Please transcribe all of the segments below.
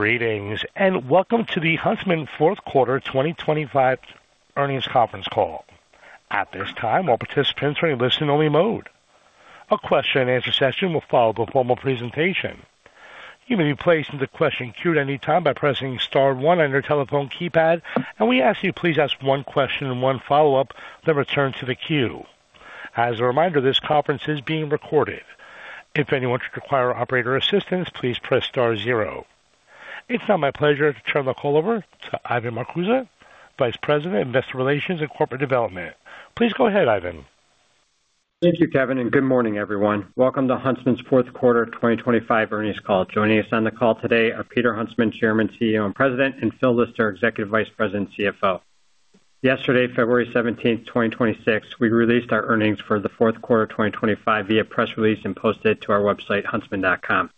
Greetings, and welcome to the Huntsman Q4 2025 earnings conference call. At this time, all participants are in listen-only mode. A question and answer session will follow the formal presentation. You may be placed in the question queue at any time by pressing star one on your telephone keypad, and we ask you please ask one question and one follow-up, then return to the queue. As a reminder, this conference is being recorded. If anyone should require operator assistance, please press star zero. It's now my pleasure to turn the call over to Ivan Marcuse, Vice President, Investor Relations and Corporate Development. Please go ahead, Ivan. Thank you, Kevin, and good morning, everyone. Welcome to Huntsman's Q4 2025 earnings call. Joining us on the call today are Peter Huntsman, Chairman, CEO, and President, and Phil Lister, Executive Vice President and CFO. Yesterday, February 17, 2026, we released our earnings for the Q4 of 2025 via press release and posted it to our website, huntsman.com.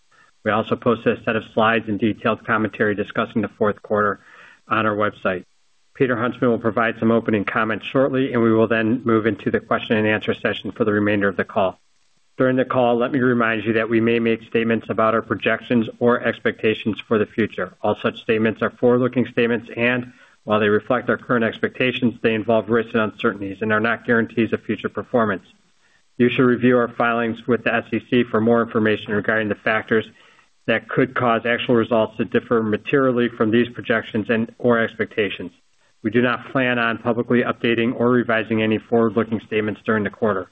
We also posted a set of slides and detailed commentary discussing the Q4 on our website. Peter Huntsman will provide some opening comments shortly, and we will then move into the question and answer session for the remainder of the call. During the call, let me remind you that we may make statements about our projections or expectations for the future. All such statements are forward-looking statements, and while they reflect our current expectations, they involve risks and uncertainties and are not guarantees of future performance. You should review our filings with the SEC for more information regarding the factors that could cause actual results to differ materially from these projections and/or expectations. We do not plan on publicly updating or revising any forward-looking statements during the quarter.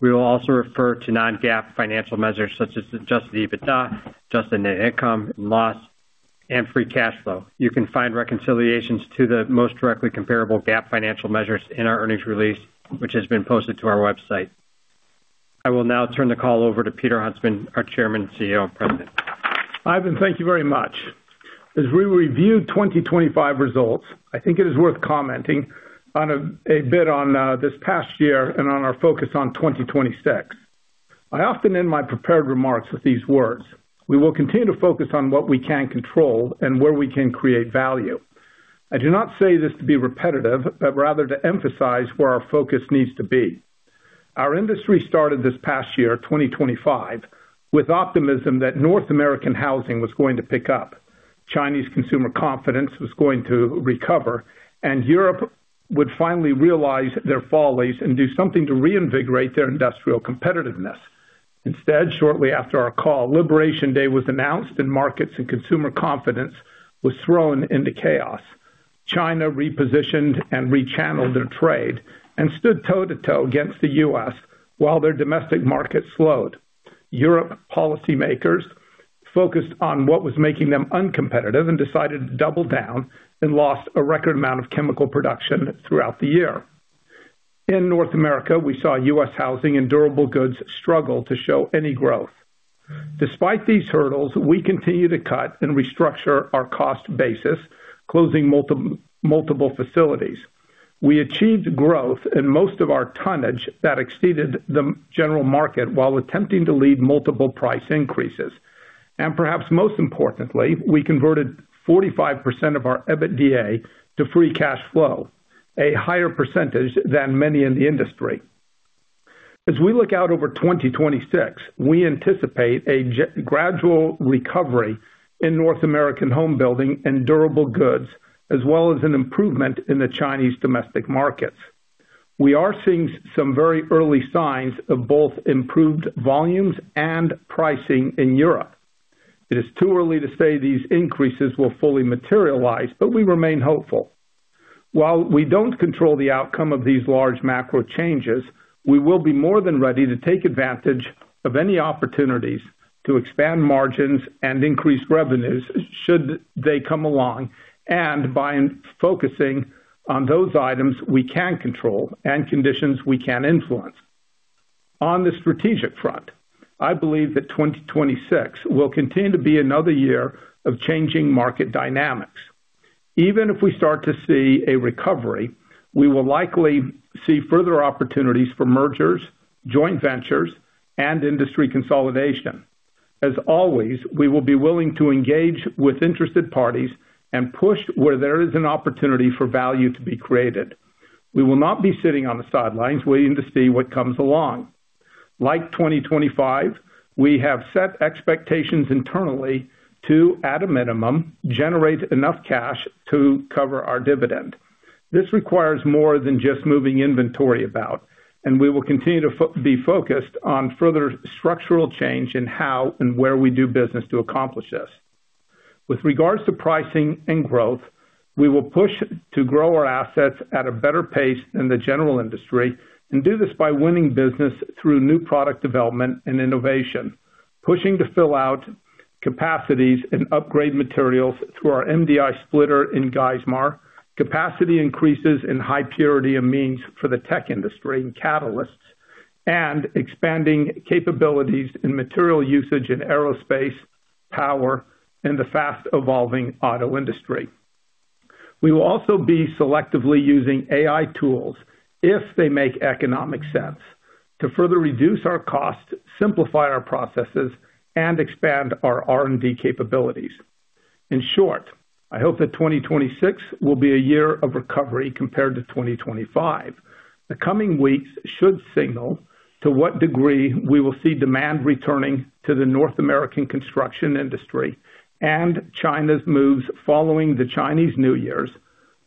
We will also refer to non-GAAP financial measures such as Adjusted EBITDA, adjusted net income, loss, and Free Cash Flow. You can find reconciliations to the most directly comparable GAAP financial measures in our earnings release, which has been posted to our website. I will now turn the call over to Peter Huntsman, our Chairman, CEO, and President. Ivan, thank you very much. As we review 2025 results, I think it is worth commenting on a, a bit on this past year and on our focus on 2026. I often end my prepared remarks with these words: We will continue to focus on what we can control and where we can create value. I do not say this to be repetitive, but rather to emphasize where our focus needs to be. Our industry started this past year, 2025, with optimism that North American housing was going to pick up, Chinese consumer confidence was going to recover, and Europe would finally realize their follies and do something to reinvigorate their industrial competitiveness. Instead, shortly after our call, Liberation Day was announced and markets and consumer confidence was thrown into chaos. China repositioned and rechanneled their trade and stood toe-to-toe against the U.S. while their domestic market slowed. Europe policymakers focused on what was making them uncompetitive and decided to double down and lost a record amount of chemical production throughout the year. In North America, we saw U.S. housing and durable goods struggle to show any growth. Despite these hurdles, we continue to cut and restructure our cost basis, closing multiple facilities. We achieved growth in most of our tonnage that exceeded the general market while attempting to lead multiple price increases. And perhaps most importantly, we converted 45% of our EBITDA to free cash flow, a higher percentage than many in the industry. As we look out over 2026, we anticipate a gradual recovery in North American home building and durable goods, as well as an improvement in the Chinese domestic markets. We are seeing some very early signs of both improved volumes and pricing in Europe. It is too early to say these increases will fully materialize, but we remain hopeful. While we don't control the outcome of these large macro changes, we will be more than ready to take advantage of any opportunities to expand margins and increase revenues should they come along, and by focusing on those items we can control and conditions we can influence. On the strategic front, I believe that 2026 will continue to be another year of changing market dynamics. Even if we start to see a recovery, we will likely see further opportunities for mergers, joint ventures, and industry consolidation. As always, we will be willing to engage with interested parties and push where there is an opportunity for value to be created. We will not be sitting on the sidelines waiting to see what comes along. Like 2025, we have set expectations internally to, at a minimum, generate enough cash to cover our dividend. This requires more than just moving inventory about, and we will continue to be focused on further structural change in how and where we do business to accomplish this. With regards to pricing and growth, we will push to grow our assets at a better pace than the general industry and do this by winning business through new product development and innovation, pushing to fill out capacities and upgrade materials through our MDI splitter in Geismar, capacity increases in high purity amines for the tech industry and catalysts, and expanding capabilities in material usage in aerospace, power, and the fast evolving auto industry. We will also be selectively using AI tools if they make economic sense, to further reduce our costs, simplify our processes, and expand our R&D capabilities.... In short, I hope that 2026 will be a year of recovery compared to 2025. The coming weeks should signal to what degree we will see demand returning to the North American construction industry and China's moves following the Chinese New Years,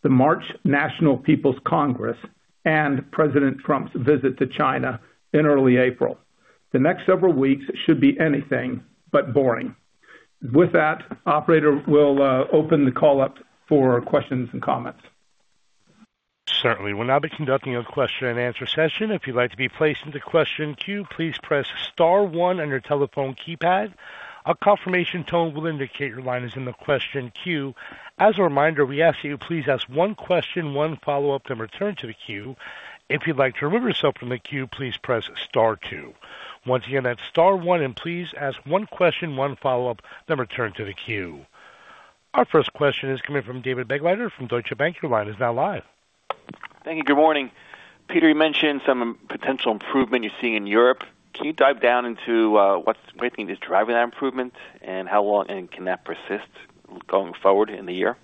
the March National People's Congress, and President Trump's visit to China in early April. The next several weeks should be anything but boring. With that, operator, we'll open the call up for questions and comments. Certainly. We'll now be conducting a question and answer session. If you'd like to be placed into question queue, please press star one on your telephone keypad. A confirmation tone will indicate your line is in the question queue. As a reminder, we ask that you please ask one question, one follow-up, then return to the queue. If you'd like to remove yourself from the queue, please press star two. Once again, that's star one, and please ask one question, one follow-up, then return to the queue. Our first question is coming from David Begleiter from Deutsche Bank. Your line is now live. Thank you. Good morning. Peter, you mentioned some potential improvement you're seeing in Europe. Can you dive down into what's driving that improvement, and how long, and can that persist going forward in the year?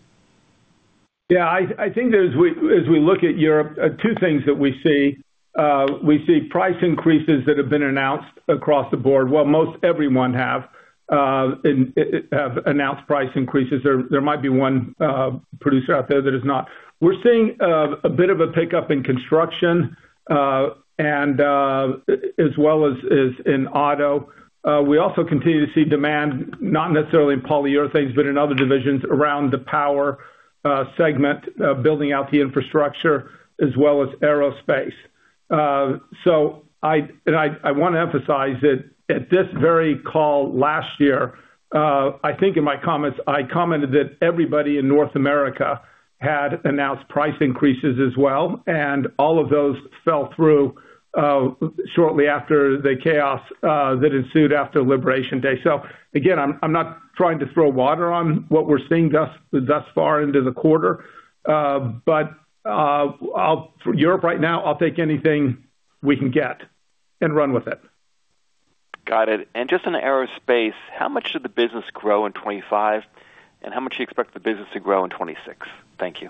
Yeah, I think as we look at Europe, two things that we see. We see price increases that have been announced across the board. Well, most everyone have announced price increases. There might be one producer out there that is not. We're seeing a bit of a pickup in construction and as well as in auto. We also continue to see demand, not necessarily in polyurethanes, but in other divisions around the power segment, building out the infrastructure as well as aerospace. So, and I wanna emphasize that at this very call last year, I think in my comments, I commented that everybody in North America had announced price increases as well, and all of those fell through shortly after the chaos that ensued after Liberation Day. So again, I'm not trying to throw water on what we're seeing thus far into the quarter, but Europe right now, I'll take anything we can get and run with it. Got it. And just on aerospace, how much did the business grow in 2025, and how much do you expect the business to grow in 2026? Thank you.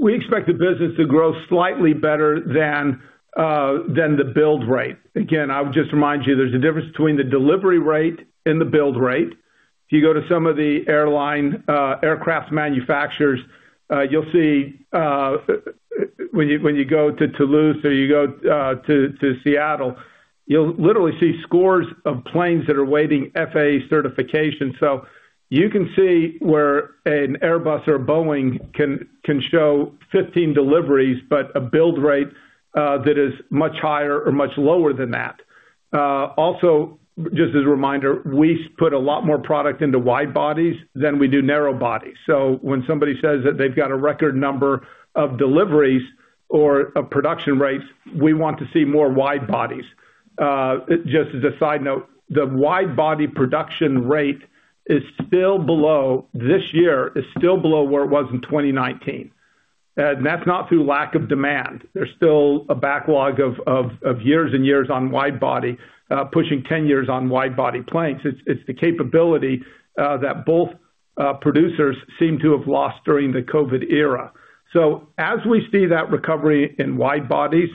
We expect the business to grow slightly better than the build rate. Again, I would just remind you, there's a difference between the delivery rate and the build rate. If you go to some of the airline aircraft manufacturers, you'll see when you go to Toulouse or you go to Seattle, you'll literally see scores of planes that are awaiting FAA certification. So you can see where an Airbus or Boeing can show 15 deliveries, but a build rate that is much higher or much lower than that. Also, just as a reminder, we put a lot more product into wide bodies than we do narrow bodies. So when somebody says that they've got a record number of deliveries or of production rates, we want to see more wide bodies. Just as a side note, the wide-body production rate is still below this year. It is still below where it was in 2019, and that's not through lack of demand. There's still a backlog of years and years on wide-body, pushing 10 years on wide-body planes. It's the capability that both producers seem to have lost during the COVID era. So as we see that recovery in wide bodies,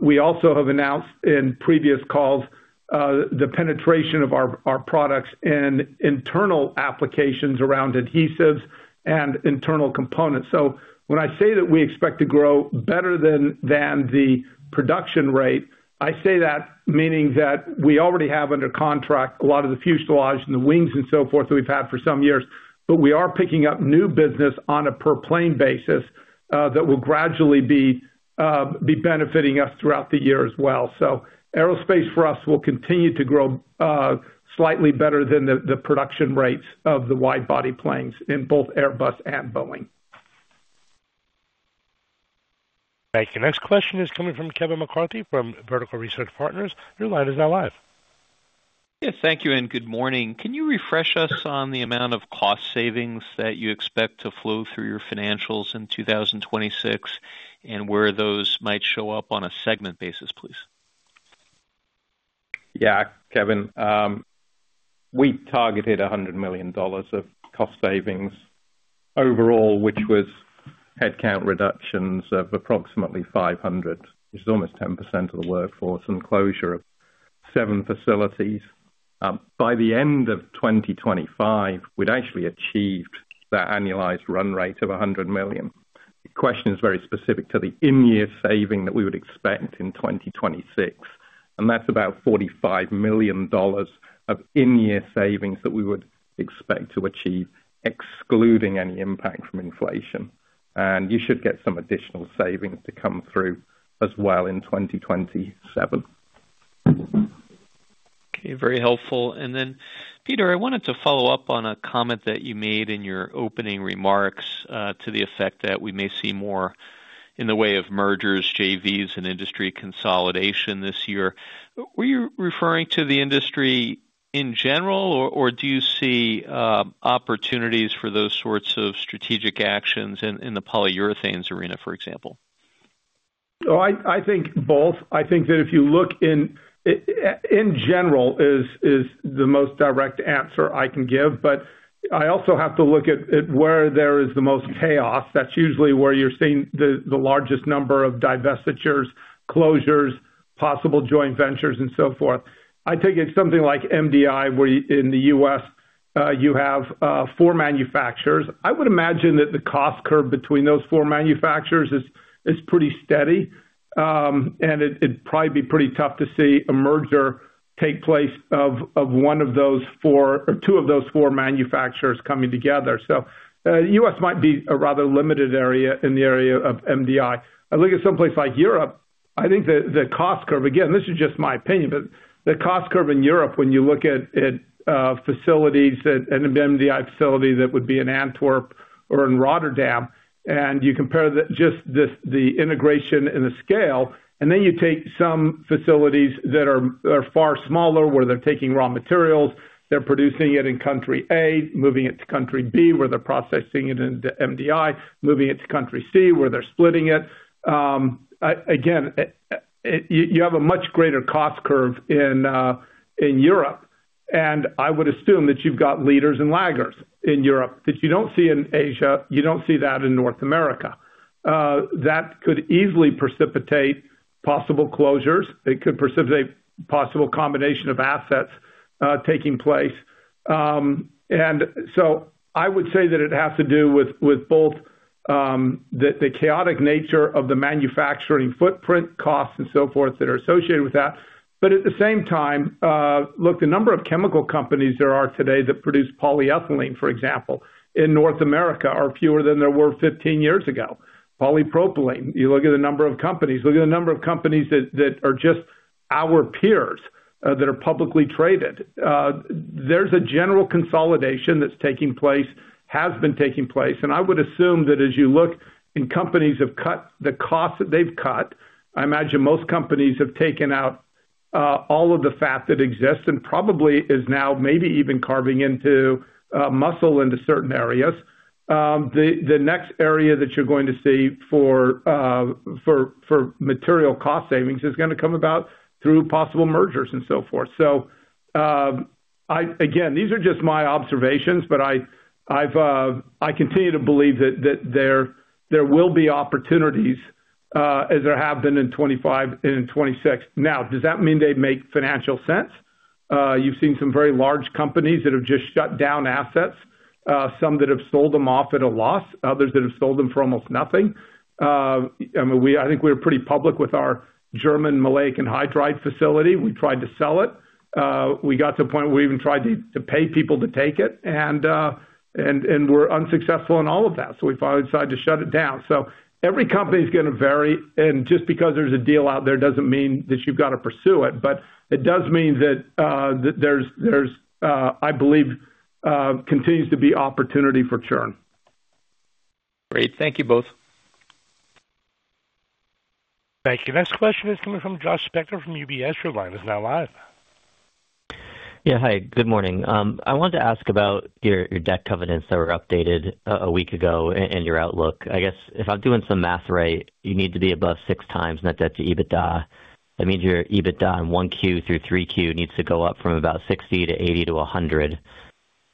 we also have announced in previous calls the penetration of our products in internal applications around adhesives and internal components. So when I say that we expect to grow better than the production rate, I say that meaning that we already have under contract a lot of the fuselage and the wings and so forth, that we've had for some years, but we are picking up new business on a per plane basis that will gradually be benefiting us throughout the year as well. So aerospace for us will continue to grow slightly better than the production rates of the wide-body planes in both Airbus and Boeing. Thank you. Next question is coming from Kevin McCarthy from Vertical Research Partners. Your line is now live. Yeah, thank you and good morning. Can you refresh us on the amount of cost savings that you expect to flow through your financials in 2026, and where those might show up on a segment basis, please? Yeah, Kevin, we targeted $100 million of cost savings overall, which was headcount reductions of approximately 500. This is almost 10% of the workforce, and closure of seven facilities. By the end of 2025, we'd actually achieved that annualized run rate of $100 million. The question is very specific to the in-year saving that we would expect in 2026, and that's about $45 million of in-year savings that we would expect to achieve, excluding any impact from inflation. And you should get some additional savings to come through as well in 2027. Okay, very helpful. And then, Peter, I wanted to follow up on a comment that you made in your opening remarks, to the effect that we may see more in the way of mergers, JVs, and industry consolidation this year. Were you referring to the industry in general, or, or do you see, opportunities for those sorts of strategic actions in, in the polyurethanes arena, for example?... Oh, I think both. I think that if you look in general is the most direct answer I can give. But I also have to look at where there is the most chaos. That's usually where you're seeing the largest number of divestitures, closures, possible joint ventures, and so forth. I take it something like MDI, where in the U.S. you have four manufacturers. I would imagine that the cost curve between those four manufacturers is pretty steady. And it'd probably be pretty tough to see a merger take place of one of those four or two of those four manufacturers coming together. So, U.S. might be a rather limited area in the area of MDI. I look at someplace like Europe, I think the, the cost curve, again, this is just my opinion, but the cost curve in Europe when you look at, at, facilities that, an MDI facility that would be in Antwerp or in Rotterdam, and you compare the, just this, the integration and the scale, and then you take some facilities that are, are far smaller, where they're taking raw materials, they're producing it in country A, moving it to country B, where they're processing it into MDI, moving it to country C, where they're splitting it. Again, you have a much greater cost curve in Europe, and I would assume that you've got leaders and laggards in Europe that you don't see in Asia, you don't see that in North America. That could easily precipitate possible closures. It could precipitate possible combination of assets taking place. And so I would say that it has to do with both the chaotic nature of the manufacturing footprint costs and so forth that are associated with that. But at the same time, look, the number of chemical companies there are today that produce polyethylene, for example, in North America, are fewer than there were 15 years ago. Polypropylene, you look at the number of companies, look at the number of companies that are just our peers that are publicly traded. There's a general consolidation that's taking place, has been taking place, and I would assume that as you look and companies have cut the costs that they've cut, I imagine most companies have taken out all of the fat that exists and probably is now maybe even carving into muscle into certain areas. The next area that you're going to see for material cost savings is gonna come about through possible mergers and so forth. So, I again, these are just my observations, but I've continue to believe that there will be opportunities as there have been in 2025 and in 2026. Now, does that mean they make financial sense? You've seen some very large companies that have just shut down assets, some that have sold them off at a loss, others that have sold them for almost nothing. I mean, I think we're pretty public with our German maleic anhydride facility. We tried to sell it. We got to a point where we even tried to pay people to take it, and we're unsuccessful in all of that, so we finally decided to shut it down. So every company's gonna vary, and just because there's a deal out there, doesn't mean that you've got to pursue it, but it does mean that there's, I believe, continues to be opportunity for churn. Great. Thank you both. Thank you. Next question is coming from Josh Spector from UBS. Your line is now live. Yeah, hi, good morning. I wanted to ask about your debt covenants that were updated a week ago and your outlook. I guess if I'm doing some math right, you need to be above 6x net debt to EBITDA. That means your EBITDA in Q1 through Q3 needs to go up from about $60 to $80 to $100.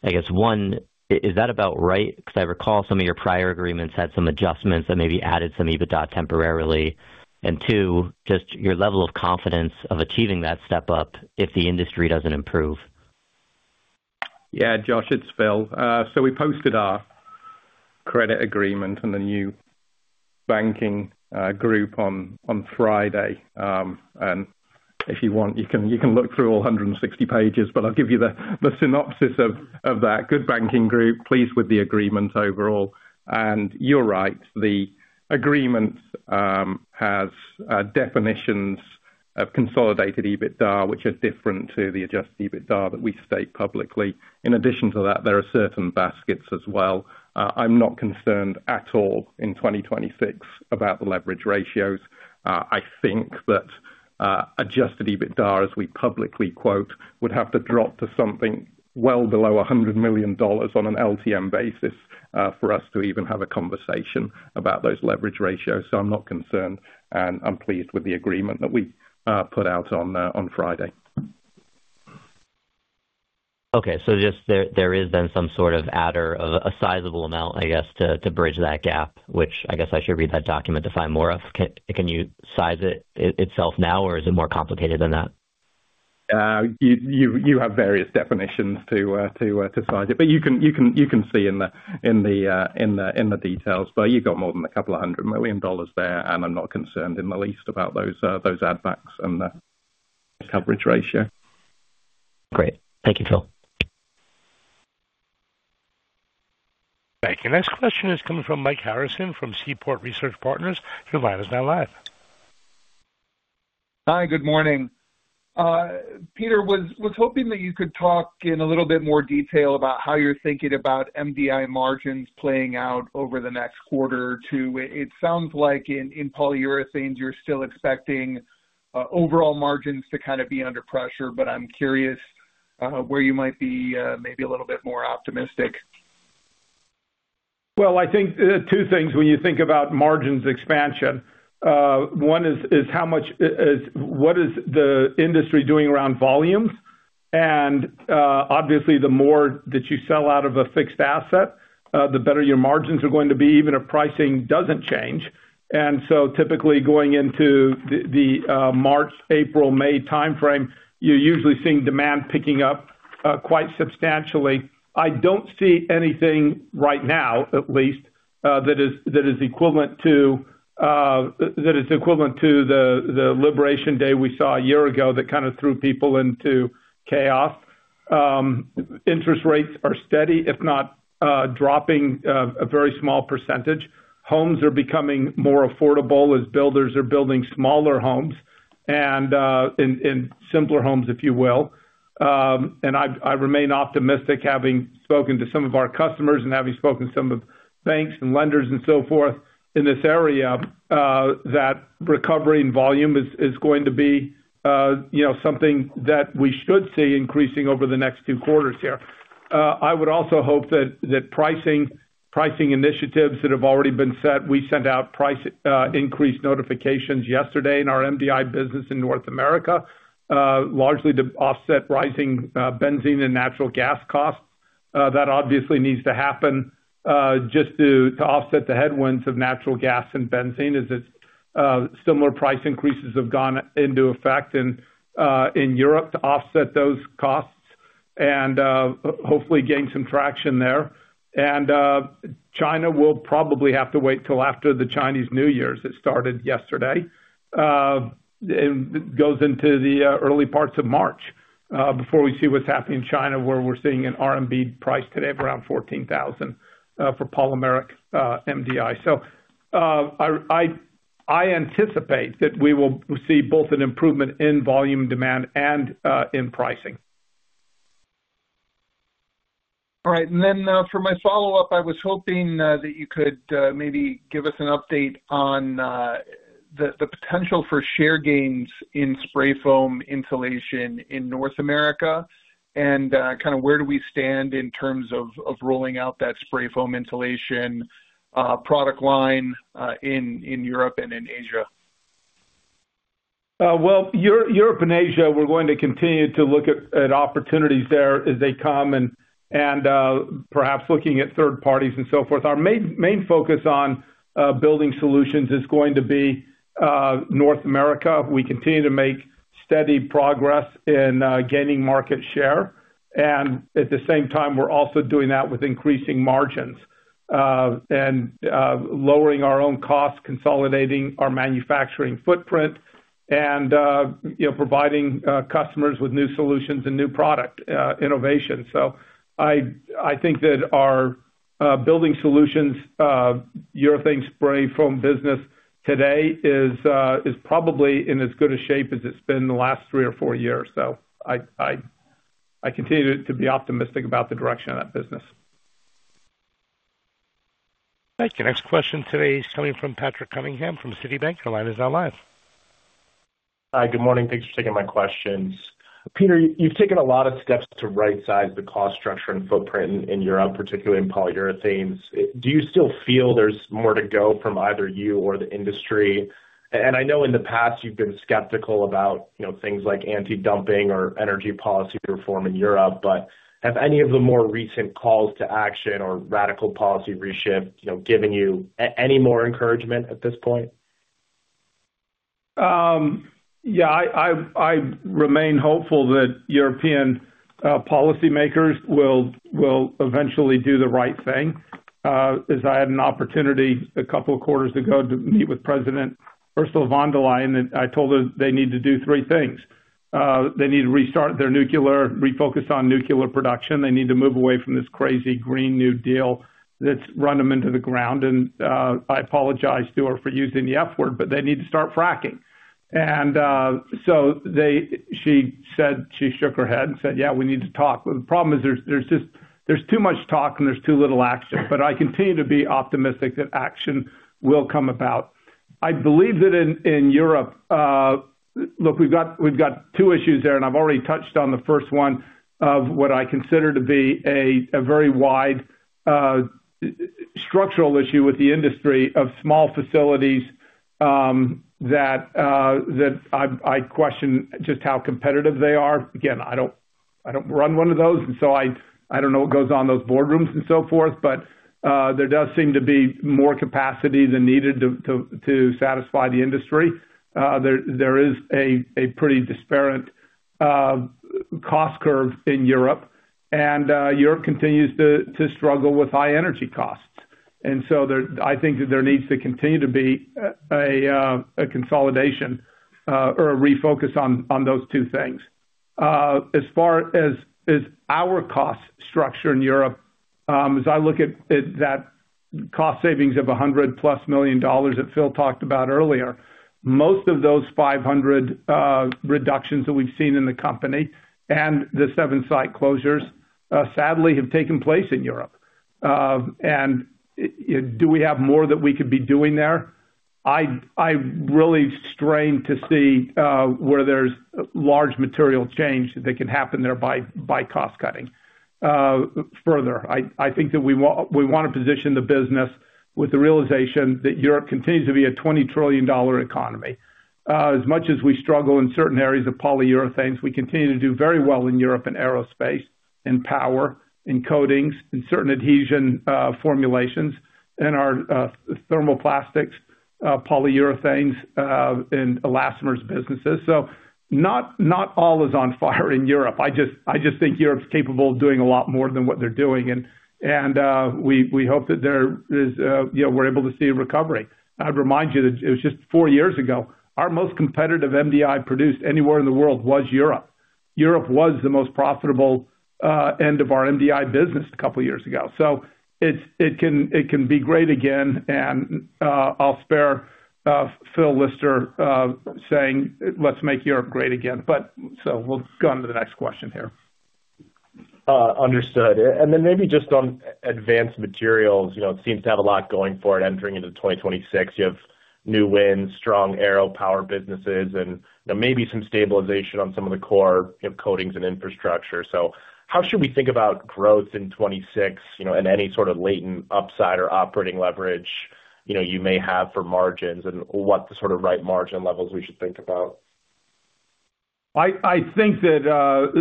I guess, one, is that about right? Because I recall some of your prior agreements had some adjustments that maybe added some EBITDA temporarily. And two, just your level of confidence of achieving that step up if the industry doesn't improve. Yeah, Josh, it's Phil. So we posted our credit agreement and the new banking group on Friday. And if you want, you can look through all 160 pages, but I'll give you the synopsis of that. Good banking group, pleased with the agreement overall. And you're right, the agreement has definitions of consolidated EBITDA, which are different to the adjusted EBITDA that we state publicly. In addition to that, there are certain baskets as well. I'm not concerned at all in 2026 about the leverage ratios. I think that adjusted EBITDA, as we publicly quote, would have to drop to something well below $100 million on an LTM basis, for us to even have a conversation about those leverage ratios. I'm not concerned, and I'm pleased with the agreement that we put out on Friday. Okay. So just there, there is then some sort of adder of a sizable amount, I guess, to bridge that gap, which I guess I should read that document to find more of. Can you size it itself now, or is it more complicated than that? You have various definitions to size it, but you can see in the details, but you've got more than $200 million there, and I'm not concerned in the least about those ad facts and the coverage ratio. Great. Thank you, Phil. Thank you. Next question is coming from Mike Harrison from Seaport Research Partners. Your line is now live. Hi, good morning. Peter was hoping that you could talk in a little bit more detail about how you're thinking about MDI margins playing out over the next quarter or two. It sounds like in polyurethanes, you're still expecting overall margins to kind of be under pressure, but I'm curious where you might be maybe a little bit more optimistic? ... Well, I think, two things when you think about margins expansion. One is, what is the industry doing around volumes? Obviously, the more that you sell out of a fixed asset, the better your margins are going to be, even if pricing doesn't change. So typically going into the March, April, May timeframe, you're usually seeing demand picking up quite substantially. I don't see anything right now, at least, that is equivalent to the Liberation Day we saw a year ago, that kind of threw people into chaos. Interest rates are steady, if not dropping a very small percentage. Homes are becoming more affordable as builders are building smaller homes and simpler homes, if you will. And I remain optimistic, having spoken to some of our customers and having spoken to some of the banks and lenders and so forth in this area, that recovery and volume is going to be, you know, something that we should see increasing over the next two quarters here. I would also hope that pricing initiatives that have already been set, we sent out price increase notifications yesterday in our MDI business in North America, largely to offset rising benzene and natural gas costs. That obviously needs to happen, just to offset the headwinds of natural gas and benzene, as similar price increases have gone into effect in Europe to offset those costs and hopefully gain some traction there. China will probably have to wait till after the Chinese New Year's. It started yesterday, and goes into the early parts of March, before we see what's happening in China, where we're seeing a CNY 14,000 price today of around for polymeric MDI. So, I anticipate that we will see both an improvement in volume demand and in pricing. All right. For my follow-up, I was hoping that you could maybe give us an update on the potential for share gains in spray foam insulation in North America, and kind of where do we stand in terms of rolling out that spray foam insulation product line in Europe and in Asia? Well, Europe and Asia, we're going to continue to look at opportunities there as they come and perhaps looking at third parties and so forth. Our main focus on building solutions is going to be North America. We continue to make steady progress in gaining market share, and at the same time, we're also doing that with increasing margins and lowering our own costs, consolidating our manufacturing footprint and you know, providing customers with new solutions and new product innovation. So I continue to be optimistic about the direction of that business. Thank you. Next question today is coming from Patrick Cunningham from Citibank. Your line is now live. Hi, good morning. Thanks for taking my questions. Peter, you've taken a lot of steps to rightsize the cost structure and footprint in Europe, particularly in polyurethanes. Do you still feel there's more to go from either you or the industry? And I know in the past you've been skeptical about, you know, things like anti-dumping or energy policy reform in Europe, but have any of the more recent calls to action or radical policy reshift, you know, given you any more encouragement at this point? Yeah, I, I, I remain hopeful that European policymakers will, will eventually do the right thing. As I had an opportunity a couple of quarters ago to meet with President Ursula von der Leyen, and I told her they need to do three things: They need to restart their nuclear, refocus on nuclear production. They need to move away from this crazy Green New Deal that's run them into the ground. And I apologize to her for using the F word, but they need to start fracking. And so they, she said... She shook her head and said: "Yeah, we need to talk." But the problem is there's, there's just, there's too much talk and there's too little action, but I continue to be optimistic that action will come about. I believe that in Europe, look, we've got two issues there, and I've already touched on the first one, of what I consider to be a very wide structural issue with the industry of small facilities that I question just how competitive they are. Again, I don't run one of those, and so I don't know what goes on in those boardrooms and so forth, but there does seem to be more capacity than needed to satisfy the industry. There is a pretty disparate cost curve in Europe, and Europe continues to struggle with high energy costs. And so there. I think that there needs to continue to be a consolidation or a refocus on those two things. As far as, as our cost structure in Europe, as I look at, at that cost savings of $100+ million that Phil talked about earlier, most of those 500 reductions that we've seen in the company and the seven site closures, sadly, have taken place in Europe. Do we have more that we could be doing there? I, I really strain to see where there's large material change that can happen there by, by cost cutting. Further, I, I think that we wanna position the business with the realization that Europe continues to be a $20 trillion economy. As much as we struggle in certain areas of polyurethanes, we continue to do very well in Europe, in aerospace, in power, in coatings, in certain adhesion formulations, in our thermoplastics, polyurethanes, and elastomers businesses. So not, not all is on fire in Europe. I just, I just think Europe's capable of doing a lot more than what they're doing, and, and, we, we hope that there is, you know, we're able to see a recovery. I'd remind you that it was just four years ago, our most competitive MDI produced anywhere in the world was Europe. Europe was the most profitable end of our MDI business a couple of years ago. So it can be great again, and I'll spare Phil Lister saying, "Let's make Europe great again." So we'll go on to the next question here. Understood. And then maybe just on advanced materials, you know, it seems to have a lot going for it. Entering into 2026, you have new wins, strong aero power businesses, and there may be some stabilization on some of the core coatings and infrastructure. So how should we think about growth in 2026, you know, and any sort of latent upside or operating leverage, you know, you may have for margins, and what the sort of right margin levels we should think about? I think that,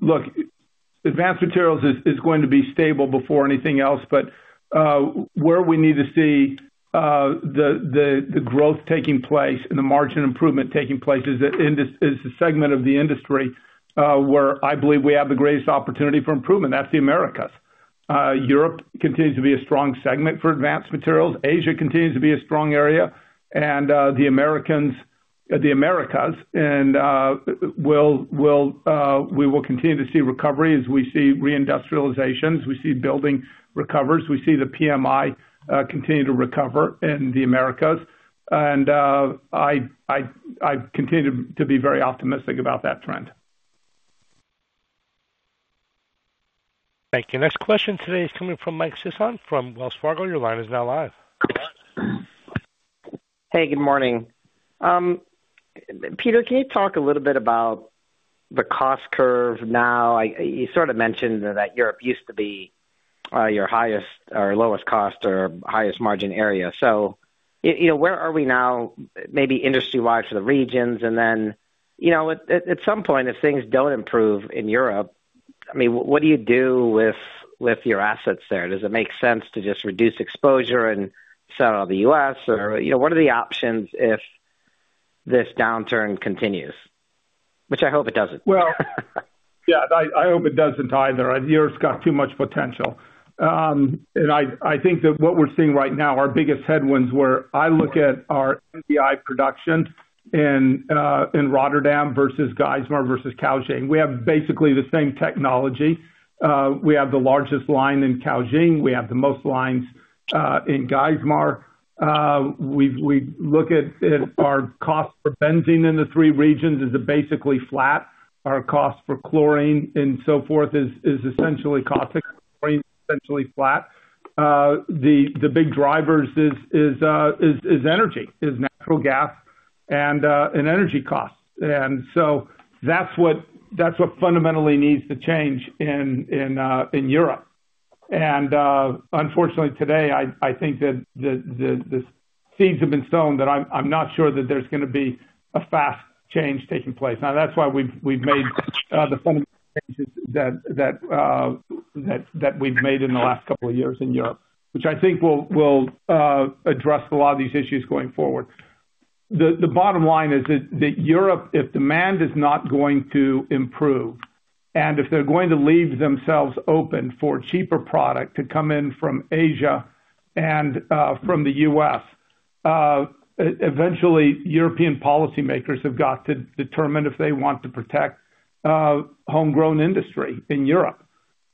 look, advanced materials is going to be stable before anything else, but where we need to see the growth taking place and the margin improvement taking place is in this—it's a segment of the industry where I believe we have the greatest opportunity for improvement. That's the Americas. Europe continues to be a strong segment for advanced materials. Asia continues to be a strong area, and the Americas and we will continue to see recovery as we see reindustrializations, we see building recovers, we see the PMI continue to recover in the Americas. And I continue to be very optimistic about that trend. Thank you. Next question today is coming from Mike Sison from Wells Fargo. Your line is now live. Hey, good morning. Peter, can you talk a little bit about the cost curve now? You sort of mentioned that Europe used to be your highest or lowest cost or highest margin area. You know, where are we now, maybe industry-wide for the regions? And then, you know, at some point, if things don't improve in Europe, I mean, what do you do with your assets there? Does it make sense to just reduce exposure and sell the U.S.? Or, you know, what are the options if this downturn continues? Which I hope it doesn't. Well, yeah, I hope it doesn't either. Europe's got too much potential. And I think that what we're seeing right now, our biggest headwinds are if I look at our MDI production in Rotterdam versus Geismar versus Caojing. We have basically the same technology. We have the largest line in Caojing. We have the most lines in Geismar. We look at our cost for benzene in the three regions is basically flat. Our cost for chlorine and so forth is essentially the same, essentially flat. The big drivers is energy, is natural gas and energy costs. And so that's what fundamentally needs to change in Europe. Unfortunately, today, I think that the seeds have been sown, that I'm not sure that there's gonna be a fast change taking place. Now, that's why we've made the fundamental changes that we've made in the last couple of years in Europe, which I think will address a lot of these issues going forward. The bottom line is that Europe, if demand is not going to improve, and if they're going to leave themselves open for cheaper product to come in from Asia and from the U.S., eventually European policymakers have got to determine if they want to protect homegrown industry in Europe.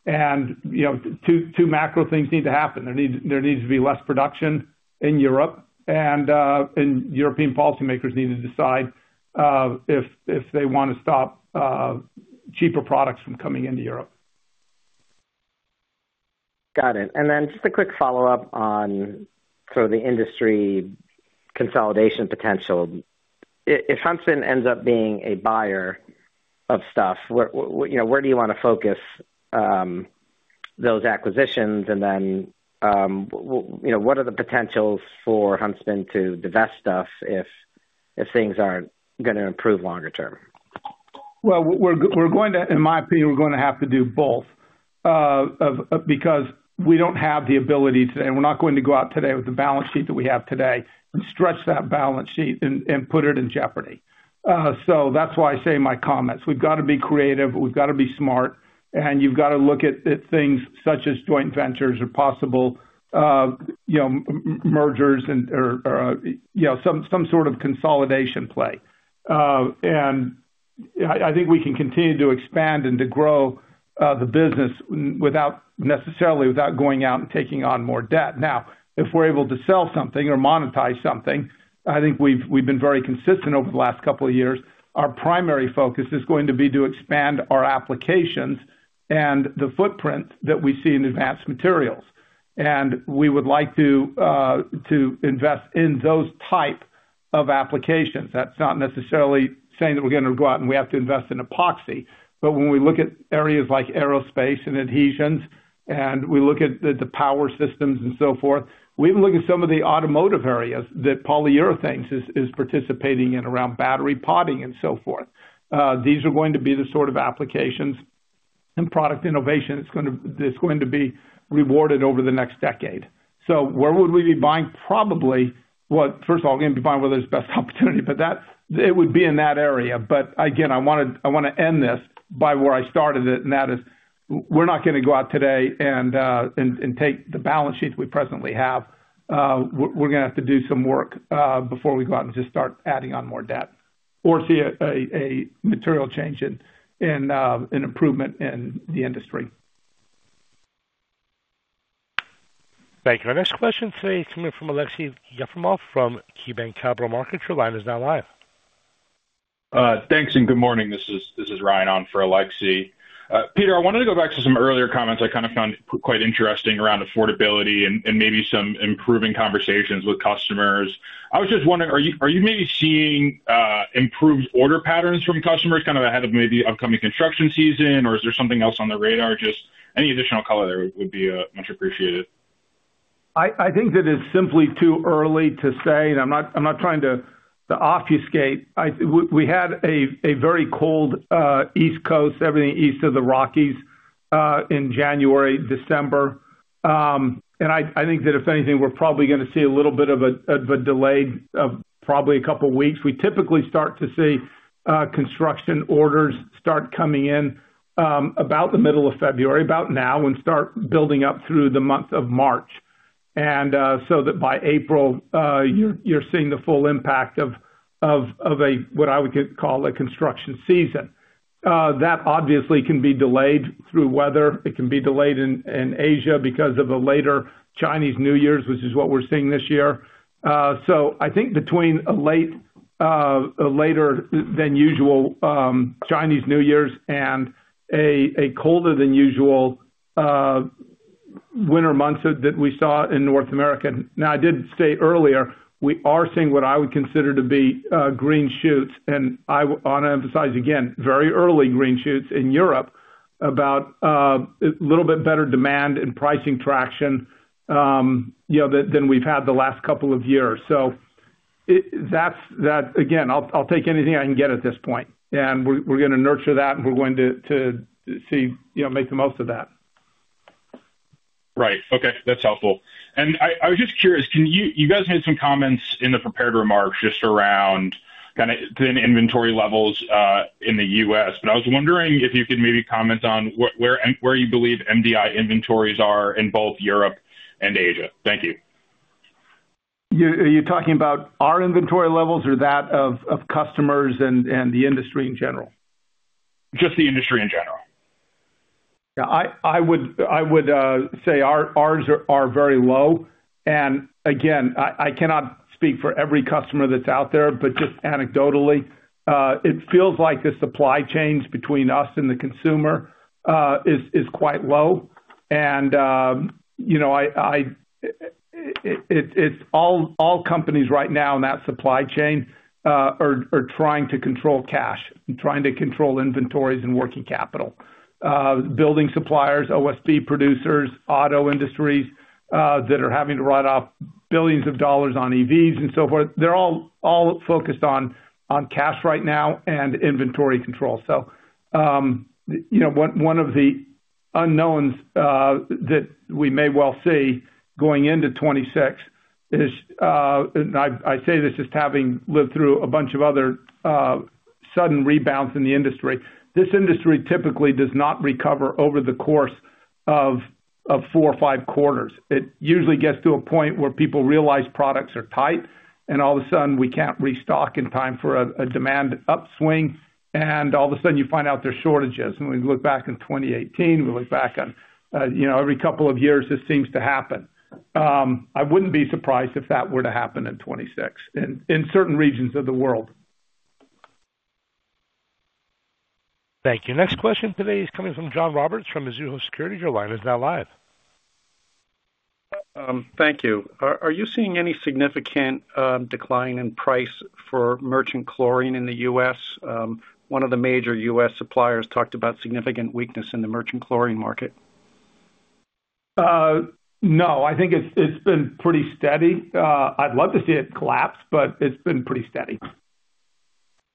And, you know, two macro things need to happen. There needs to be less production in Europe, and European policymakers need to decide if they want to stop cheaper products from coming into Europe. Got it. And then just a quick follow-up on sort of the industry consolidation potential. If Huntsman ends up being a buyer of stuff, where, you know, where do you want to focus those acquisitions? And then, you know, what are the potentials for Huntsman to divest stuff if things aren't gonna improve longer term? Well, we're going to... in my opinion, we're gonna have to do both, of, because we don't have the ability today, and we're not going to go out today with the balance sheet that we have today and stretch that balance sheet and put it in jeopardy. So that's why I say in my comments, we've got to be creative, we've got to be smart, and you've got to look at things such as joint ventures or possible, you know, mergers and/or, you know, some sort of consolidation play. And I think we can continue to expand and to grow the business without necessarily, without going out and taking on more debt. Now, if we're able to sell something or monetize something, I think we've been very consistent over the last couple of years. Our primary focus is going to be to expand our applications and the footprint that we see in advanced materials. We would like to, to invest in those type of applications. That's not necessarily saying that we're gonna go out and we have to invest in epoxy. But when we look at areas like aerospace and adhesives, and we look at the, the power systems and so forth, we even look at some of the automotive areas that polyurethanes is, is participating in around battery potting and so forth. These are going to be the sort of applications and product innovation that's gonna, that's going to be rewarded over the next decade. So where would we be buying? Probably, well, first of all, we're going to be buying where there's best opportunity, but that, it would be in that area. But again, I wanna, I wanna end this by where I started it, and that is, we're not gonna go out today and take the balance sheets we presently have. We're gonna have to do some work, before we go out and just start adding on more debt or see a material change in, an improvement in the industry. Thank you. Our next question today is coming from Aleksey Yefremov from KeyBanc Capital Markets. Your line is now live. Thanks, and good morning. This is Ryan on for Alexi. Peter, I wanted to go back to some earlier comments I kind of found quite interesting around affordability and maybe some improving conversations with customers. I was just wondering, are you maybe seeing improved order patterns from customers kind of ahead of maybe upcoming construction season? Or is there something else on the radar? Just any additional color there would be much appreciated. I think that it's simply too early to say, and I'm not trying to obfuscate. We had a very cold East Coast, everything east of the Rockies, in January, December. And I think that if anything, we're probably gonna see a little bit of a delayed, probably a couple of weeks. We typically start to see construction orders start coming in about the middle of February, about now, and start building up through the month of March. So that by April, you're seeing the full impact of a what I would call a construction season. That obviously can be delayed through weather. It can be delayed in Asia because of a later Chinese New Year's, which is what we're seeing this year. So I think between a late, a later than usual, Chinese New Years and a, a colder than usual, winter months that we saw in North America. Now, I did state earlier, we are seeing what I would consider to be, green shoots, and I wanna emphasize, again, very early green shoots in Europe about, a little bit better demand and pricing traction, you know, than, than we've had the last couple of years. That's, again, I'll take anything I can get at this point, and we're gonna nurture that, and we're going to see, you know, make the most of that. Right. Okay, that's helpful. And I was just curious, can you—you guys made some comments in the prepared remarks just around kinda thin inventory levels in the US, but I was wondering if you could maybe comment on where, where, and where you believe MDI inventories are in both Europe and Asia? Thank you. Are you talking about our inventory levels or that of customers and the industry in general? Just the industry in general. Yeah, I would say ours are very low. And again, I cannot speak for every customer that's out there, but just anecdotally, it feels like the supply chains between us and the consumer is quite low. And, you know, it's all companies right now in that supply chain are trying to control cash and trying to control inventories and working capital. Building suppliers, OSB producers, auto industries that are having to write off billions of dollars on EVs and so forth, they're all focused on cash right now and inventory control. So, you know, one of the unknowns that we may well see going into 2026 is, and I say this just having lived through a bunch of other sudden rebounds in the industry. This industry typically does not recover over the course of four or five quarters. It usually gets to a point where people realize products are tight, and all of a sudden we can't restock in time for a demand upswing, and all of a sudden you find out there's shortages. And we look back in 2018, we look back on, you know, every couple of years, this seems to happen. I wouldn't be surprised if that were to happen in 2026, in certain regions of the world. Thank you. Next question today is coming from John Roberts from Mizuho Securities. Your line is now live. Thank you. Are you seeing any significant decline in price for merchant chlorine in the U.S.? One of the major U.S. suppliers talked about significant weakness in the merchant chlorine market. No, I think it's been pretty steady. I'd love to see it collapse, but it's been pretty steady.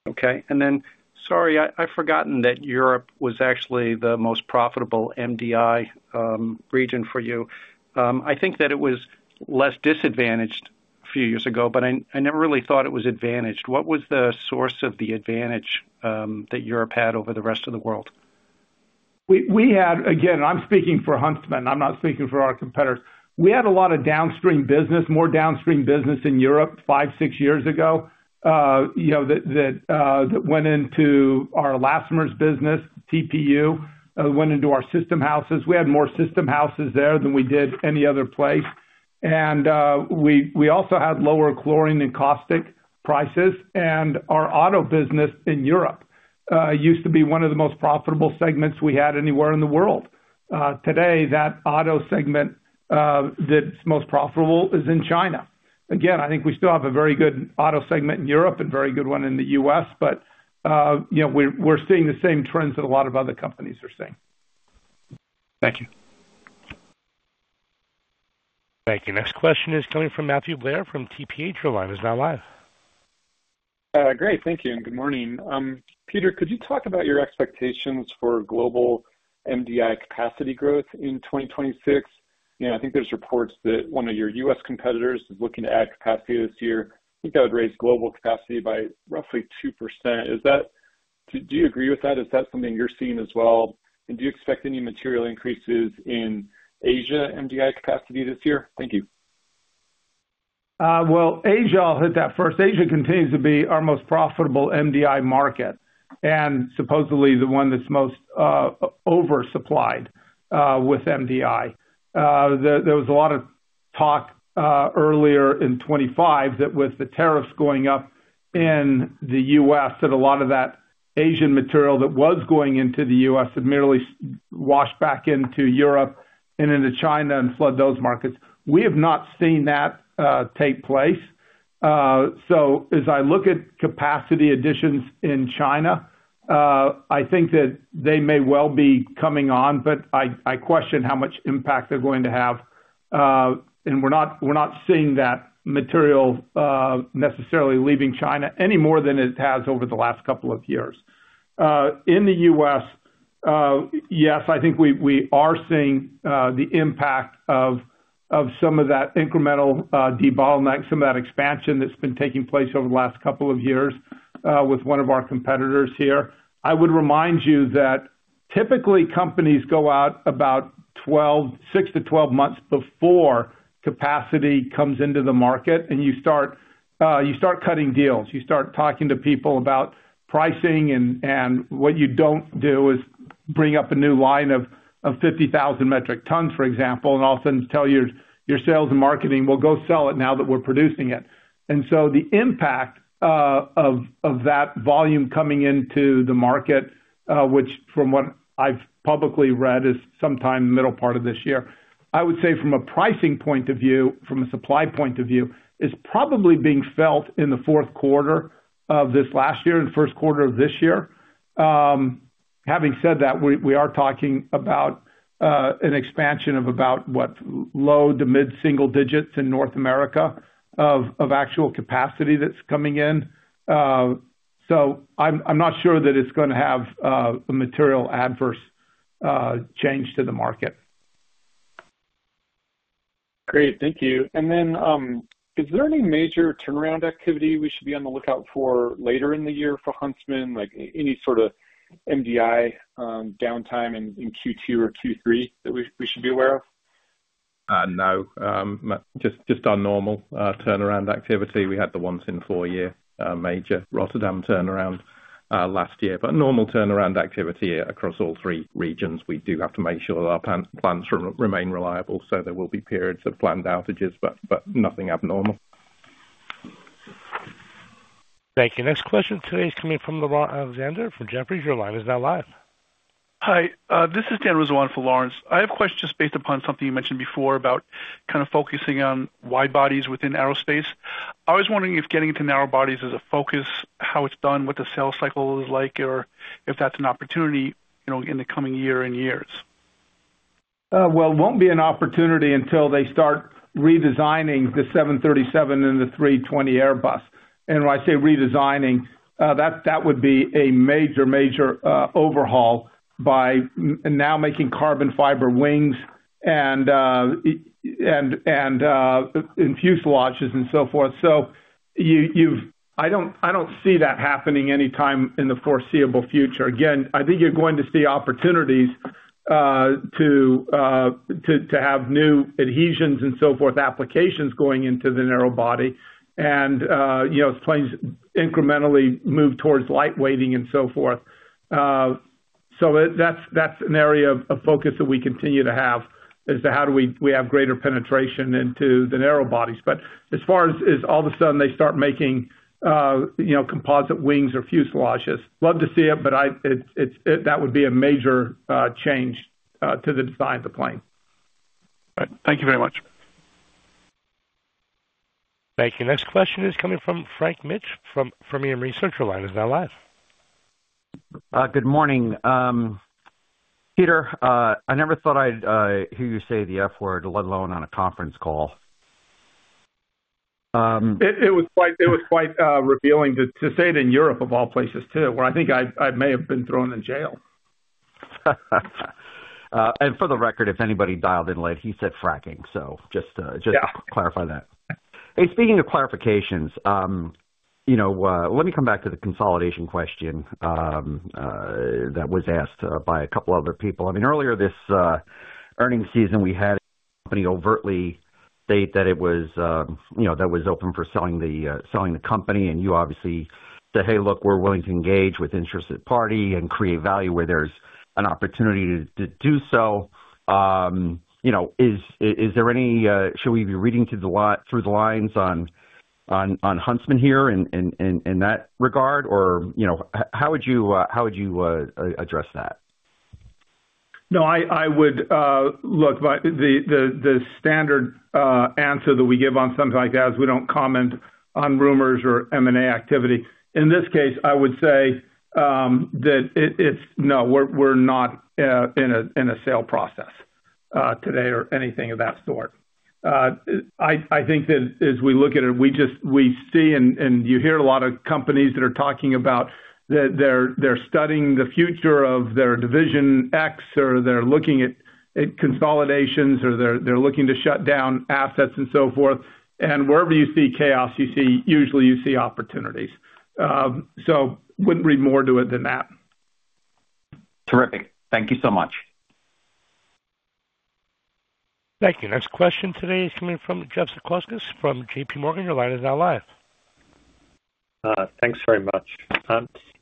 Okay. And then, sorry, I, I've forgotten that Europe was actually the most profitable MDI region for you. I think that it was less disadvantaged a few years ago, but I, I never really thought it was advantaged. What was the source of the advantage that Europe had over the rest of the world? We had... Again, I'm speaking for Huntsman. I'm not speaking for our competitors. We had a lot of downstream business, more downstream business in Europe five, six years ago, you know, that went into our elastomers business, TPU, went into our system houses. We had more system houses there than we did any other place. And, we also had lower chlorine and caustic prices, and our auto business in Europe used to be one of the most profitable segments we had anywhere in the world. Today, that auto segment that's most profitable is in China. Again, I think we still have a very good auto segment in Europe and very good one in the US, but, you know, we're seeing the same trends that a lot of other companies are seeing. Thank you. Thank you. Next question is coming from Matthew Blair from TPH. Your line is now live. Great. Thank you, and good morning. Peter, could you talk about your expectations for global MDI capacity growth in 2026? You know, I think there's reports that one of your U.S. competitors is looking to add capacity this year. I think that would raise global capacity by roughly 2%. Is that? Do you agree with that? Is that something you're seeing as well? And do you expect any material increases in Asia MDI capacity this year? Thank you. Well, Asia, I'll hit that first. Asia continues to be our most profitable MDI market and supposedly the one that's most over-supplied with MDI. There was a lot of talk earlier in 2025 that with the tariffs going up in the U.S., that a lot of that Asian material that was going into the U.S. had merely simply washed back into Europe and into China and flooded those markets. We have not seen that take place. So as I look at capacity additions in China, I think that they may well be coming on, but I question how much impact they're going to have. And we're not seeing that material necessarily leaving China any more than it has over the last couple of years. In the US, yes, I think we are seeing the impact of some of that incremental development, some of that expansion that's been taking place over the last couple of years, with one of our competitors here. I would remind you that typically companies go out about six to 12 months before capacity comes into the market, and you start cutting deals, you start talking to people about pricing, and what you don't do is bring up a new line of 50,000 metric tons, for example, and all of a sudden tell your sales and marketing, "Well, go sell it now that we're producing it." And so the impact of that volume coming into the market, which from what I've publicly read, is sometime middle part of this year. I would say from a pricing point of view, from a supply point of view, is probably being felt in the Q4 of this last year and Q1 of this year. Having said that, we, we are talking about, an expansion of about, what, low to mid-single digits in North America of, of actual capacity that's coming in. So I'm, I'm not sure that it's gonna have, a material adverse, change to the market. Great. Thank you. And then, is there any major turnaround activity we should be on the lookout for later in the year for Huntsman? Like, any sort of MDI, downtime in Q2 or Q3 that we should be aware of? No, just our normal turnaround activity. We had the once-in-four-year major Rotterdam turnaround last year. But normal turnaround activity across all three regions. We do have to make sure our plans remain reliable, so there will be periods of planned outages, but nothing abnormal. Thank you. Next question today is coming from Laurence Alexanderer from Jefferies. Your line is now live. Hi, this is Dan Rosenwald for Lawrence. I have a question just based upon something you mentioned before about kind of focusing on wide bodies within aerospace. I was wondering if getting into narrow bodies is a focus, how it's done, what the sales cycle is like, or if that's an opportunity, you know, in the coming year and years? Well, it won't be an opportunity until they start redesigning the 737 and the 320 Airbus. When I say redesigning, that would be a major overhaul by now making carbon fiber wings and in fuselages and so forth. I don't see that happening anytime in the foreseeable future. Again, I think you're going to see opportunities to have new adhesions and so forth, applications going into the narrow body and, you know, as planes incrementally move towards lightweighting and so forth. So that's an area of focus that we continue to have, is to how do we have greater penetration into the narrow bodies. But as far as all of a sudden they start making, you know, composite wings or fuselages, love to see it, but it, it's that would be a major change to the design of the plane. All right. Thank you very much. Thank you. Next question is coming from Frank Mitsch from Fermium Research. Line is now live. Good morning. Peter, I never thought I'd hear you say the F word, let alone on a conference call. It was quite revealing to say it in Europe, of all places, too, where I think I may have been thrown in jail. And for the record, if anybody dialed in late, he said fracking. So just to- Yeah. Just clarify that. Hey, speaking of clarifications, you know, let me come back to the consolidation question, that was asked by a couple other people. I mean, earlier this earnings season, we had pretty overtly state that it was, you know, that was open for selling the company, and you obviously said, "Hey, look, we're willing to engage with interested party and create value where there's an opportunity to do so." You know, is there any - should we be reading between the lines on Huntsman here in that regard? Or, you know, how would you address that? No, I would look, by the standard answer that we give on something like that is we don't comment on rumors or M&A activity. In this case, I would say that it's no, we're not in a sale process today or anything of that sort. I think that as we look at it, we just see and you hear a lot of companies that are talking about that they're studying the future of their division X, or they're looking at consolidations, or they're looking to shut down assets and so forth. And wherever you see chaos, you see usually you see opportunities. So wouldn't read more to it than that. Terrific. Thank you so much. Thank you. Next question today is coming from Jeff Zekauskas from JPMorgan. Your line is now live. Thanks very much.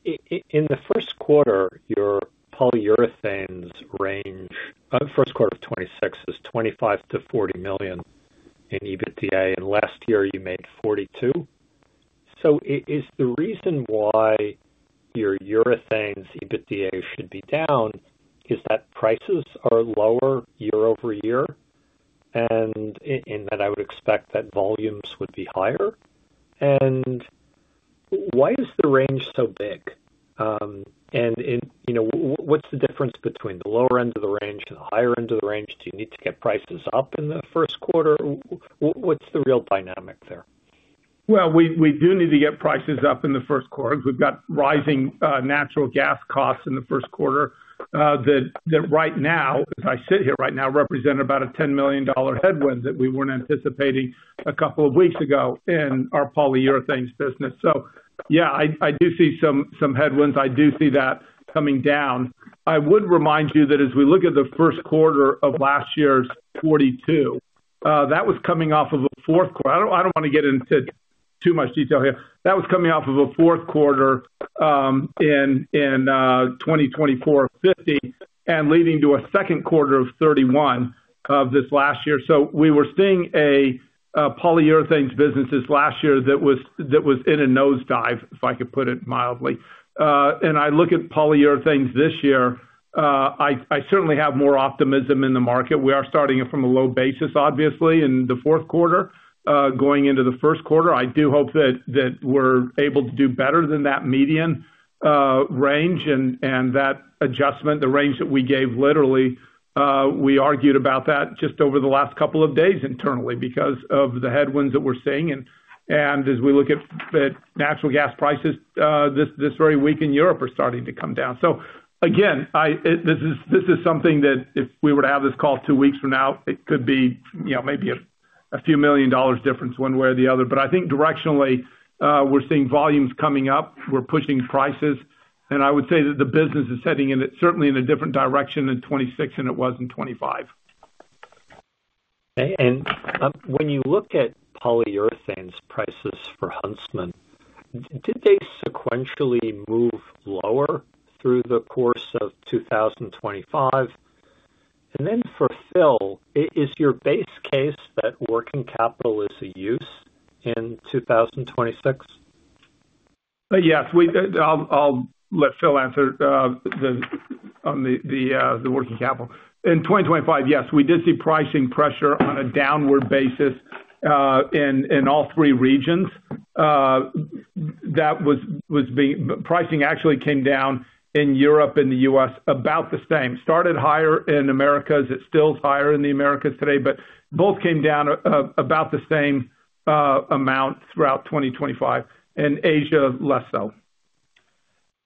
In the Q1, your polyurethanes range, Q1 of 2026 is $25 million-$40 million in EBITDA, and last year you made $42 million. So is the reason why your urethanes EBITDA should be down is that prices are lower year-over-year, and that I would expect that volumes would be higher? And why is the range so big? And, you know, what's the difference between the lower end of the range and the higher end of the range? Do you need to get prices up in the Q1? What's the real dynamic there? Well, we do need to get prices up in the Q1. We've got rising natural gas costs in the Q1 that right now, as I sit here right now, represent about a $10 million headwind that we weren't anticipating a couple of weeks ago in our polyurethanes business. So yeah, I do see some headwinds. I do see that coming down. I would remind you that as we look at the Q1 of last year's 42, that was coming off of a Q4. I don't want to get into too much detail here. That was coming off of a Q4 in 2024/25, and leading to a Q2 of 31 of this last year. So we were seeing a polyurethanes business this last year that was, that was in a nosedive, if I could put it mildly. And I look at polyurethanes this year, I certainly have more optimism in the market. We are starting it from a low basis, obviously, in the Q4. Going into the Q1, I do hope that we're able to do better than that median range and that adjustment, the range that we gave. Literally, we argued about that just over the last couple of days internally because of the headwinds that we're seeing. And as we look at natural gas prices, this very week in Europe are starting to come down. So again, I, this is, this is something that if we were to have this call two weeks from now, it could be, you know, maybe a few million dollars difference one way or the other. But I think directionally, we're seeing volumes coming up. We're pushing prices, and I would say that the business is heading in a certainly in a different direction than 2026, and it was in 2025. When you look at polyurethanes prices for Huntsman, did they sequentially move lower through the course of 2025? And then for Phil, is your base case that working capital is a use in 2026? Yes, we did. I'll let Phil answer on the working capital. In 2025, yes, we did see pricing pressure on a downward basis, in all three regions. Pricing actually came down in Europe and the U.S. about the same. Started higher in Americas. It's still higher in the Americas today, but both came down about the same amount throughout 2025, in Asia, less so.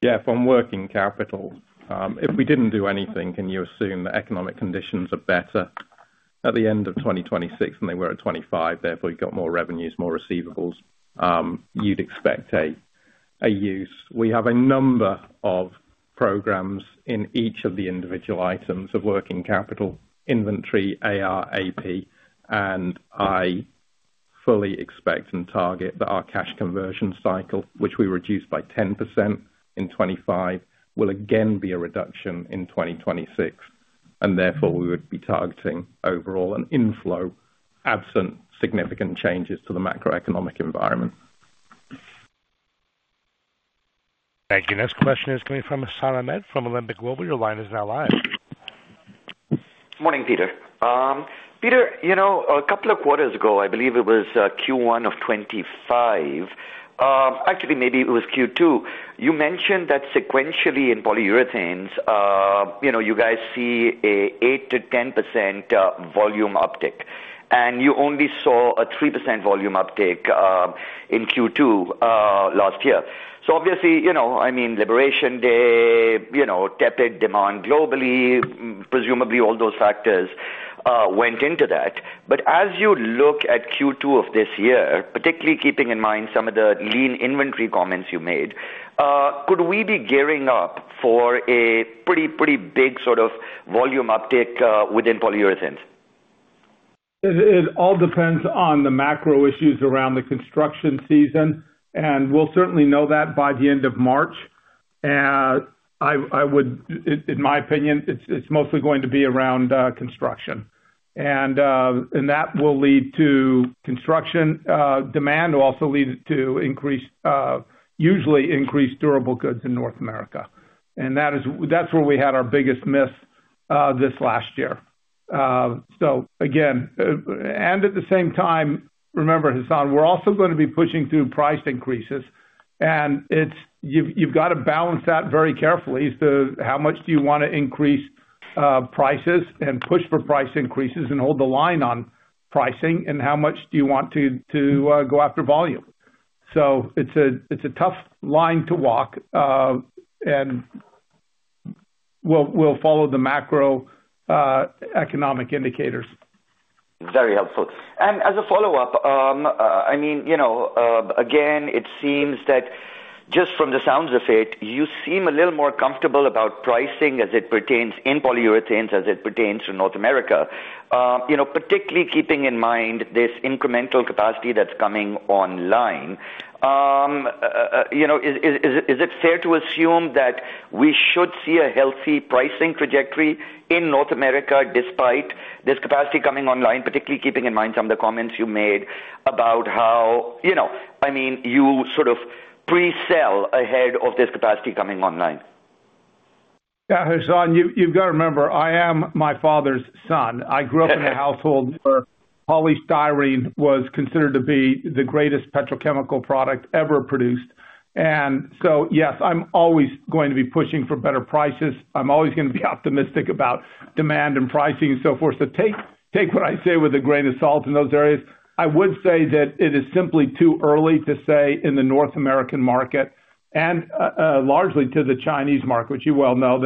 Yeah, from working capital, if we didn't do anything, can you assume the economic conditions are better at the end of 2026 than they were at 2025? Therefore, you've got more revenues, more receivables, you'd expect a use. We have a number of programs in each of the individual items of working capital: inventory, AR, AP, and I fully expect and target that our cash conversion cycle, which we reduced by 10% in 2025, will again be a reduction in 2026, and therefore we would be targeting overall an inflow, absent significant changes to the macroeconomic environment. Thank you. Next question is coming from Hassan Ahmed from Alembic Global. Your line is now live. Morning, Peter. Peter, you know, a couple of quarters ago, I believe it was, Q1 of 2025, actually, maybe it was Q2. You mentioned that sequentially in polyurethanes, you know, you guys see an 8% - 10% volume uptick, and you only saw a 3% volume uptick, in Q2, last year. So obviously, you know, I mean, Liberation Day, you know, tepid demand globally, presumably all those factors, went into that. But as you look at Q2 of this year, particularly keeping in mind some of the lean inventory comments you made, could we be gearing up for a pretty, pretty big sort of volume uptick, within polyurethanes?... It all depends on the macro issues around the construction season, and we'll certainly know that by the end of March. And I would, in my opinion, it's mostly going to be around construction. And that will lead to construction demand will also lead to increased usually increased durable goods in North America. And that's where we had our biggest miss this last year. So again... And at the same time, remember, Hassan, we're also gonna be pushing through price increases, and it's, you've got to balance that very carefully as to how much do you wanna increase prices and push for price increases and hold the line on pricing, and how much do you want to go after volume? It's a tough line to walk, and we'll follow the macro economic indicators. Very helpful. And as a follow-up, I mean, you know, again, it seems that just from the sounds of it, you seem a little more comfortable about pricing as it pertains in polyurethanes, as it pertains to North America. You know, particularly keeping in mind this incremental capacity that's coming online. You know, is it fair to assume that we should see a healthy pricing trajectory in North America despite this capacity coming online, particularly keeping in mind some of the comments you made about how, you know, I mean, you sort of pre-sell ahead of this capacity coming online? Yeah, Hassan, you've got to remember, I am my father's son. I grew up in a household where polystyrene was considered to be the greatest petrochemical product ever produced. And so, yes, I'm always going to be pushing for better prices. I'm always gonna be optimistic about demand and pricing and so forth. So take what I say with a grain of salt in those areas. I would say that it is simply too early to say in the North American market and largely to the Chinese market, which you well know.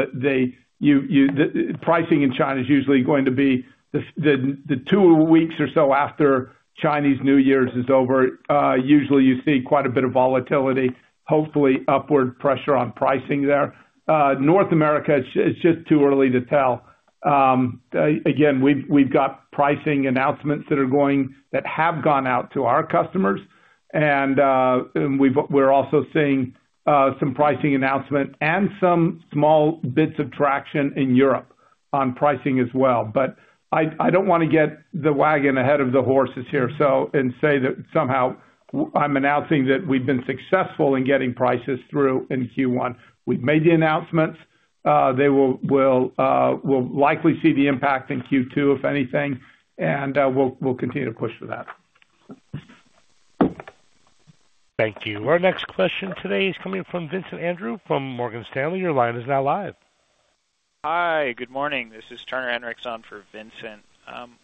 Pricing in China is usually going to be the two weeks or so after Chinese New Year is over. Usually you see quite a bit of volatility, hopefully upward pressure on pricing there. North America, it's just too early to tell. Again, we've got pricing announcements that have gone out to our customers, and we've also seen some pricing announcements and some small bits of traction in Europe on pricing as well. But I don't wanna get the wagon ahead of the horses here, so and say that somehow I'm announcing that we've been successful in getting prices through in Q1. We've made the announcements, they will, we'll likely see the impact in Q2, if anything, and we'll continue to push for that. Thank you. Our next question today is coming from Vincent Andrews from Morgan Stanley. Your line is now live. Hi, good morning. This is Turner Henriksen in for Vincent.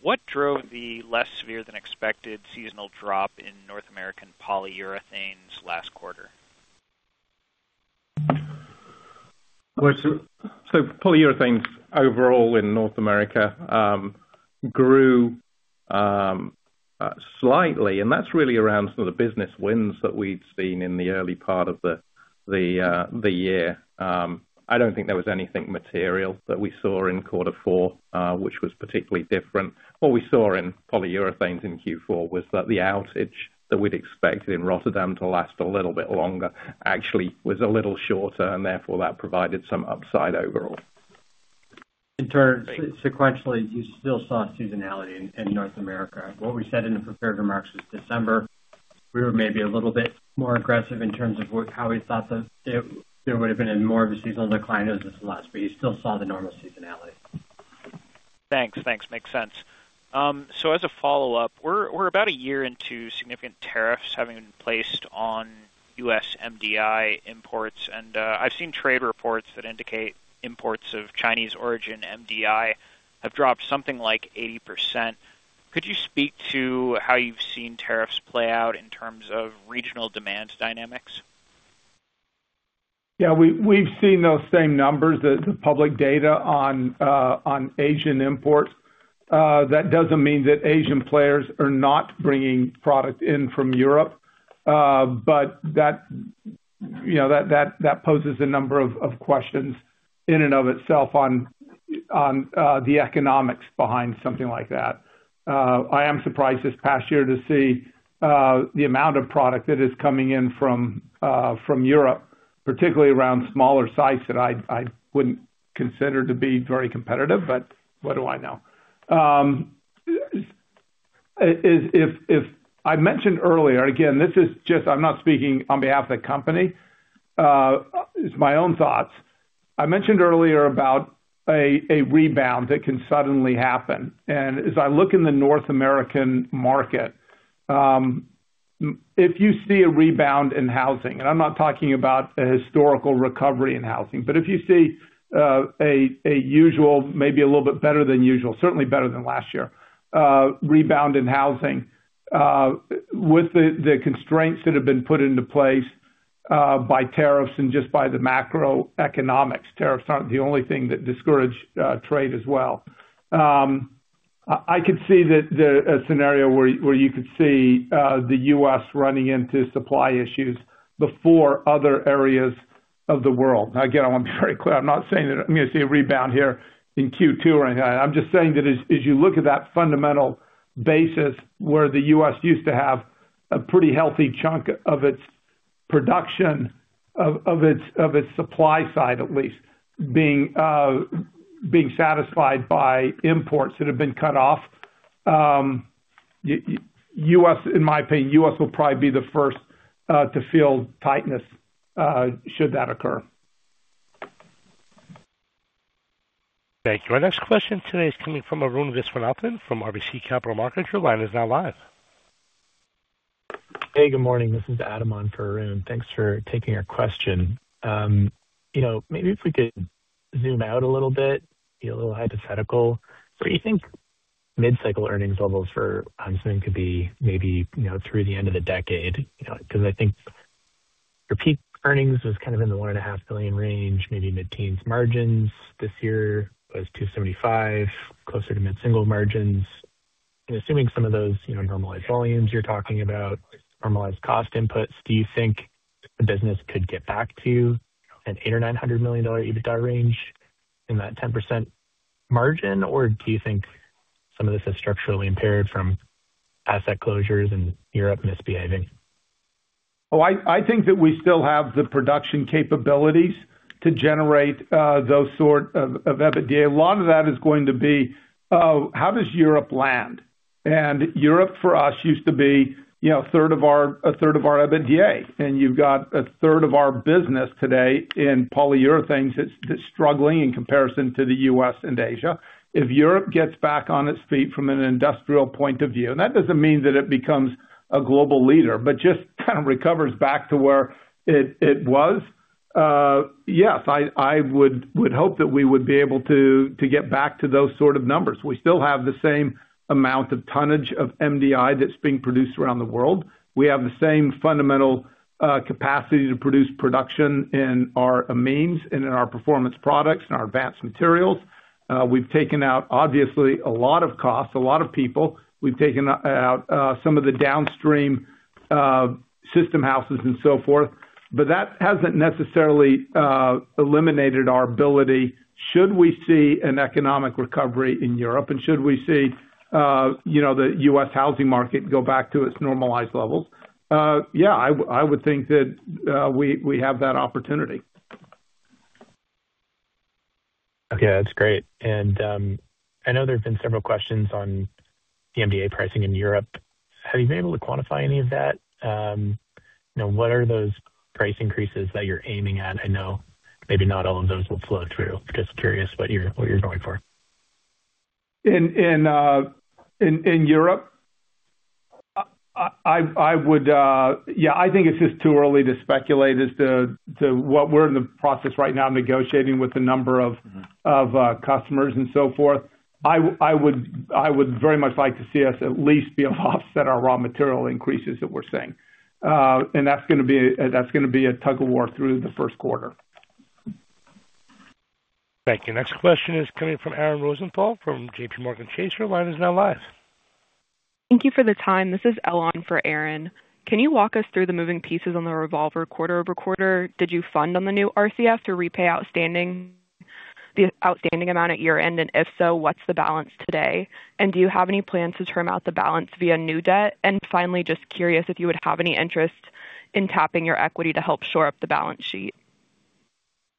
What drove the less severe than expected seasonal drop in North American polyurethanes last quarter? Well, so polyurethanes overall in North America grew slightly, and that's really around some of the business wins that we'd seen in the early part of the year. I don't think there was anything material that we saw in quarter four, which was particularly different. What we saw in polyurethanes in Q4 was that the outage that we'd expected in Rotterdam to last a little bit longer actually was a little shorter, and therefore that provided some upside overall. In turn, sequentially, you still saw seasonality in North America. What we said in the prepared remarks was December, we were maybe a little bit more aggressive in terms of how we thought that there would have been a more of a seasonal decline. It was less, but you still saw the normal seasonality. Thanks. Thanks. Makes sense. So as a follow-up, we're about a year into significant tariffs having been placed on U.S. MDI imports, and I've seen trade reports that indicate imports of Chinese origin MDI have dropped something like 80%. Could you speak to how you've seen tariffs play out in terms of regional demand dynamics? Yeah, we've seen those same numbers, the public data on Asian imports. That doesn't mean that Asian players are not bringing product in from Europe, but that, you know, that poses a number of questions in and of itself on the economics behind something like that. I am surprised this past year to see the amount of product that is coming in from Europe, particularly around smaller sites that I wouldn't consider to be very competitive, but what do I know? If I mentioned earlier, again, this is just, I'm not speaking on behalf of the company, it's my own thoughts. I mentioned earlier about a rebound that can suddenly happen. As I look in the North American market, if you see a rebound in housing, and I'm not talking about a historical recovery in housing, but if you see a usual, maybe a little bit better than usual, certainly better than last year, rebound in housing, with the constraints that have been put into place by tariffs and just by the macroeconomics, tariffs aren't the only thing that discourage trade as well. I could see a scenario where you could see the US running into supply issues before other areas of the world. Now, again, I want to be very clear, I'm not saying that I'm going to see a rebound here in Q2 or anything. I'm just saying that as you look at that fundamental basis, where the US used to have a pretty healthy chunk of its production of its supply side, at least, being satisfied by imports that have been cut off, US, in my opinion, US will probably be the first to feel tightness should that occur. Thank you. Our next question today is coming from Arun Viswanathan from RBC Capital Markets. Your line is now live. Hey, good morning. This is Adam on for Arun. Thanks for taking our question. You know, maybe if we could zoom out a little bit, be a little hypothetical. Where do you think mid-cycle earnings levels for Huntsman could be, maybe, you know, through the end of the decade? You know, because I think your peak earnings was kind of in the $1.5 billion range, maybe mid-teens margins. This year was $275 million, closer to mid-single margins. And assuming some of those, you know, normalized volumes you're talking about, normalized cost inputs, do you think the business could get back to an $800 million-$900 million EBITDA range in that 10% margin? Or do you think some of this is structurally impaired from asset closures and Europe misbehaving? Oh, I think that we still have the production capabilities to generate those sort of EBITDA. A lot of that is going to be how does Europe land? Europe, for us, used to be, you know, a third of our, a third of our EBITDA, and you've got a third of our business today in polyurethanes that's struggling in comparison to the US and Asia. If Europe gets back on its feet from an industrial point of view, and that doesn't mean that it becomes a global leader, but just kind of recovers back to where it was, yes, I would hope that we would be able to get back to those sort of numbers. We still have the same amount of tonnage of MDI that's being produced around the world. We have the same fundamental capacity to produce production in our amines and in our performance products and our advanced materials. We've taken out, obviously, a lot of costs, a lot of people. We've taken out some of the downstream system houses and so forth, but that hasn't necessarily eliminated our ability. Should we see an economic recovery in Europe and should we see, you know, the U.S. housing market go back to its normalized levels, yeah, I would think that we, we have that opportunity. Okay, that's great. And, I know there's been several questions on the MDI pricing in Europe. Have you been able to quantify any of that? You know, what are those price increases that you're aiming at? I know maybe not all of those will flow through. Just curious what you're going for. In Europe, I would... Yeah, I think it's just too early to speculate as to what we're in the process right now, negotiating with a number of- Mm-hmm. - of, customers and so forth. I would very much like to see us at least be able to offset our raw material increases that we're seeing. And that's gonna be a tug-of-war through the Q1. Thank you. Next question is coming from Aaron Rosenthal from JP Morgan Chase. Your line is now live. Thank you for the time. This is Elon for Aaron. Can you walk us through the moving pieces on the revolver quarter-over-quarter? Did you fund on the new RCF to repay outstanding, the outstanding amount at year-end? And if so, what's the balance today? And do you have any plans to term out the balance via new debt? And finally, just curious if you would have any interest in tapping your equity to help shore up the balance sheet.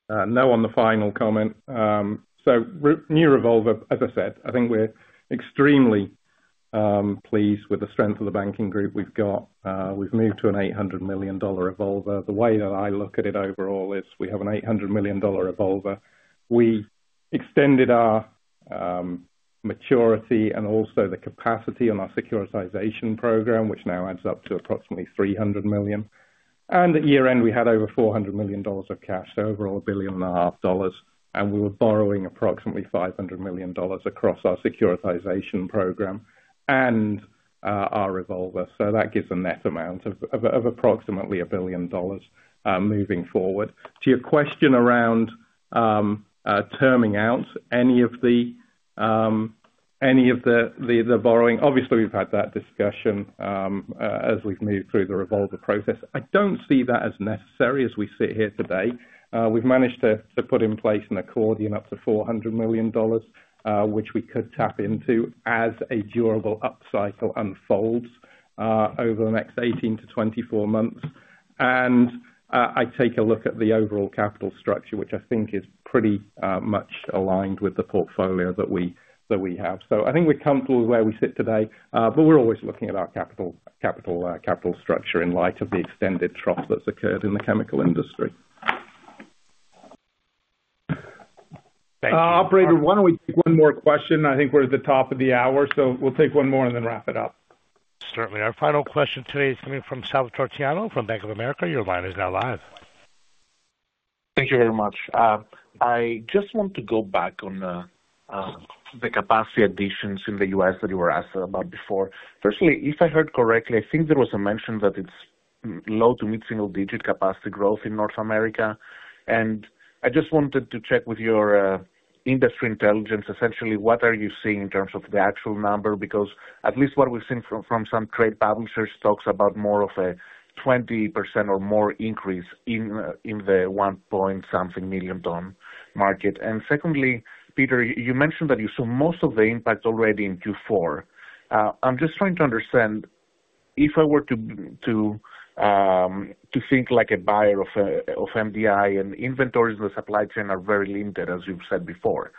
No on the final comment. So new revolver, as I said, I think we're extremely pleased with the strength of the banking group we've got. We've moved to an $800 million revolver. The way that I look at it overall is we have an $800 million revolver. We extended our maturity and also the capacity on our securitization program, which now adds up to approximately $300 million. And at year-end, we had over $400 million of cash, so overall, $1.5 billion, and we were borrowing approximately $500 million across our securitization program and our revolver. So that gives a net amount of approximately $1 billion moving forward. To your question around terming out any of the borrowing, obviously, we've had that discussion as we've moved through the revolver process. I don't see that as necessary as we sit here today. We've managed to put in place an accordion up to $400 million, which we could tap into as a durable upcycle unfolds over the next 18-24 months. And I take a look at the overall capital structure, which I think is pretty much aligned with the portfolio that we have. So I think we're comfortable with where we sit today, but we're always looking at our capital structure in light of the extended trough that's occurred in the chemical industry. Operator, why don't we take one more question? I think we're at the top of the hour, so we'll take one more and then wrap it up. Certainly. Our final question today is coming from Salvator Tiano from Bank of America. Your line is now live. Thank you very much. I just want to go back on the capacity additions in the U.S. that you were asked about before. Firstly, if I heard correctly, I think there was a mention that it's low to mid-single digit capacity growth in North America. I just wanted to check with your industry intelligence. Essentially, what are you seeing in terms of the actual number? Because at least what we've seen from some trade publishers talks about more of a 20% or more increase in the 1.something million ton market. And secondly, Peter, you mentioned that you saw most of the impact already in Q4. I'm just trying to understand, if I were to think like a buyer of MDI and inventories in the supply chain are very limited, as you've said before.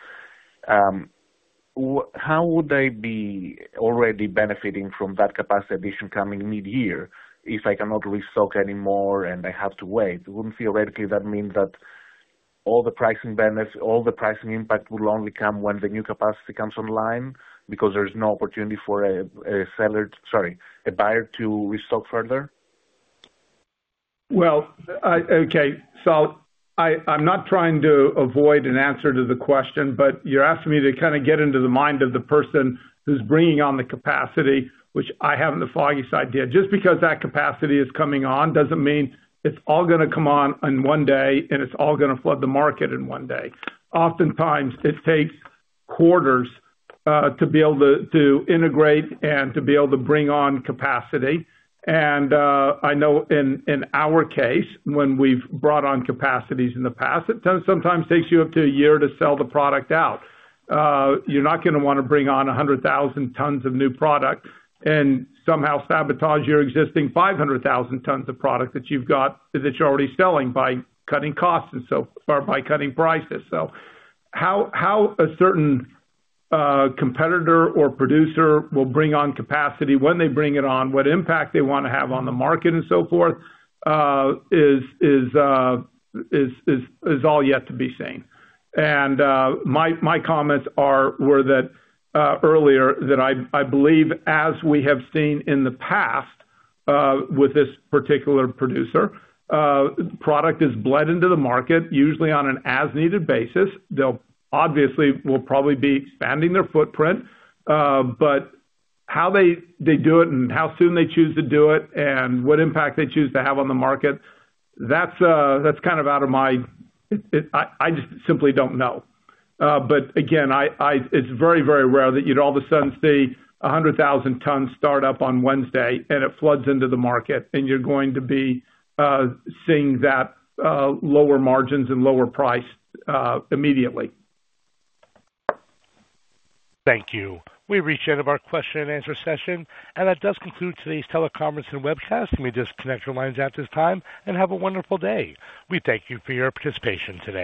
How would they be already benefiting from that capacity addition coming mid-year, if I cannot restock anymore and I have to wait? Wouldn't theoretically that mean that all the pricing benefits, all the pricing impact will only come when the new capacity comes online, because there's no opportunity for a, a seller, sorry, a buyer to restock further? Well, okay, so I, I'm not trying to avoid an answer to the question, but you're asking me to kind of get into the mind of the person who's bringing on the capacity, which I haven't the foggiest idea. Just because that capacity is coming on, doesn't mean it's all gonna come on in one day, and it's all gonna flood the market in one day. Oftentimes, it takes quarters, to be able to, to integrate and to be able to bring on capacity. And, I know in, in our case, when we've brought on capacities in the past, it sometimes takes you up to a year to sell the product out. You're not gonna wanna bring on 100,000 tons of new product and somehow sabotage your existing 500,000 tons of product that you've got, that you're already selling by cutting costs and so, or by cutting prices. So how a certain competitor or producer will bring on capacity, when they bring it on, what impact they wanna have on the market and so forth is all yet to be seen. And my comments are, were that earlier, that I believe, as we have seen in the past, with this particular producer, product is bled into the market, usually on an as-needed basis. They'll obviously will probably be expanding their footprint, but how they do it and how soon they choose to do it and what impact they choose to have on the market, that's kind of out of my... It, I just simply don't know. But again, I, it's very, very rare that you'd all of a sudden see 100,000 tons start up on Wednesday, and it floods into the market, and you're going to be seeing that lower margins and lower price immediately. Thank you. We've reached the end of our question and answer session, and that does conclude today's teleconference and webcast. You may disconnect your lines at this time and have a wonderful day. We thank you for your participation today.